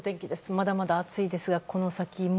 まだまだ暑いですがこの先も。